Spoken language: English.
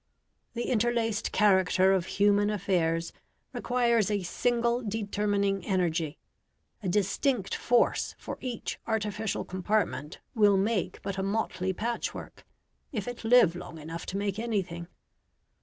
The interlaced character of human affairs requires a single determining energy; a distinct force for each artificial compartment will make but a motley patchwork, if it live long enough to make anything.